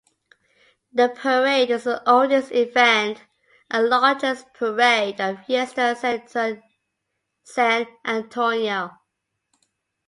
The parade is the oldest event and largest parade of Fiesta San Antonio.